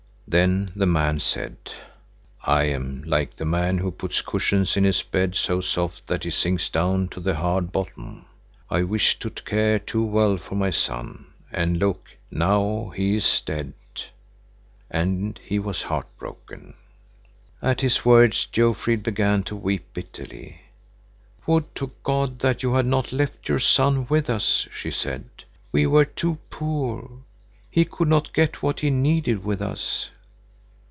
Then the man said: "I am like the man who puts cushions in his bed so soft that he sinks down to the hard bottom. I wished to care too well for my son, and look, now he is dead!" And he was heart broken. At his words Jofrid began to weep bitterly. "Would to God that you had not left your son with us!" she said. "We were too poor. He could not get what he needed with us."